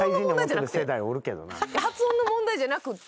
発音の問題じゃなくて。